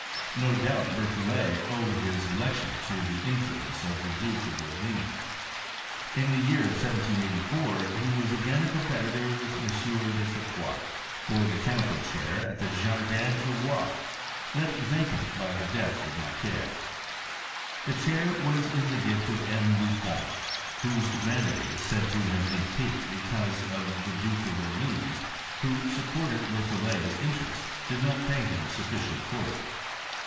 No doubt Berthollet owed his elec tion to the influence of the Duke of Orleans. !n the year 1784 he was again a competitor with M< de Fourcroy for the chemical chair at the Jardin du Roi, left vacant by the death of Macquer. The chair was in the gift of M, Buffon, whose vanity is said to ha\e been piqued because the Duke of Orleans, who supported Berthollet's in terest, did not pay hira sufficient court.